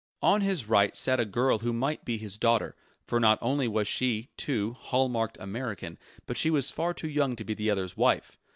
On his right sat a girl who might be his daughter; for not only was she, too, hall marked American, but she was far too young to be the other's wife.